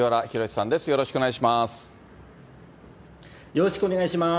よろしくお願いします。